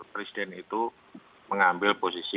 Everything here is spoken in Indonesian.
presiden itu mengambil posisi